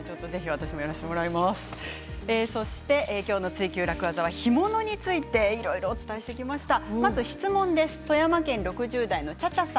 「ツイＱ楽ワザ」は干物についていろいろ追求していきました。